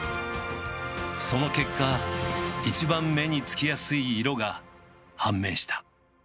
その結果一番目につきやすい色が判明した。